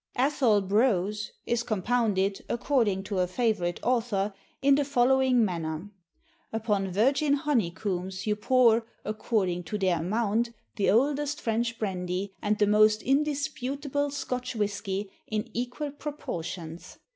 Athole Brose is compounded, according to a favourite author, in the following manner: "Upon virgin honeycombs you pour, according to their amount, the oldest French brandy and the most indisputable Scotch whisky in equal proportions.